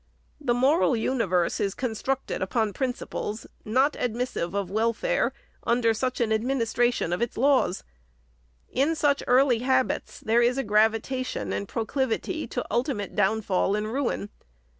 The moral universe is constructed upon principles, not admissive of welfare under such an administration of its laws. In such early habits, there is a gravitation and proclivity to ultimate downfall and ruin.